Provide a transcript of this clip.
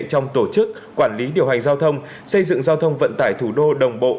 trong tổ chức quản lý điều hành giao thông xây dựng giao thông vận tải thủ đô đồng bộ